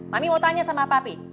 pami mau tanya sama papi